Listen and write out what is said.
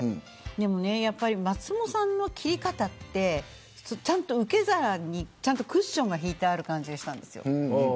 松本さんの斬り方って受け皿にちゃんとクッションが敷いてある感じがしたんです。